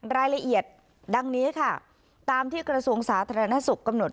รายละเอียดดังนี้ค่ะตามที่กระทรวงสาธารณสุขกำหนด